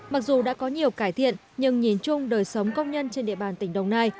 mặc dù đã có nhiều cải thiện nhưng nhìn chung đời sống công nhân trên địa bàn tỉnh đồng nai